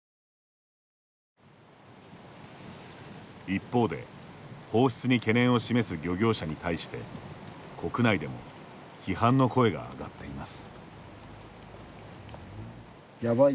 一方で、放出に懸念を示す漁業者に対して国内でも批判の声があがっています。